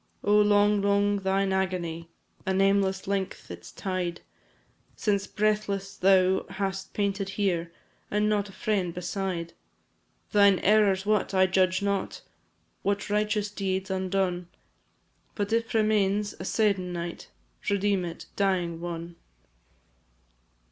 Oh, long, long thine agony! A nameless length its tide; Since breathless thou hast panted here, And not a friend beside. Thine errors what, I judge not; What righteous deeds undone; But if remains a se'ennight, Redeem it, dying one!